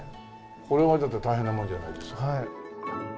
これは大変なものじゃないですか。